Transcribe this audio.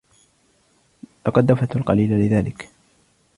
لقد دفعت القليل لذلك.